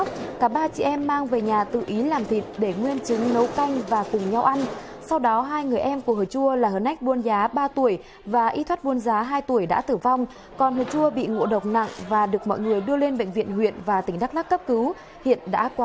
các bạn hãy đăng ký kênh để ủng hộ kênh của chúng mình nhé